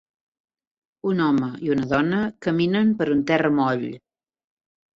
Un home i una dona caminen per un terra moll